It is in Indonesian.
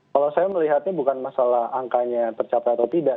kalau saya melihatnya bukan masalah angkanya tercapai atau tidak